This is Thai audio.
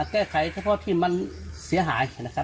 แก้ไขเฉพาะที่มันเสียหายนะครับ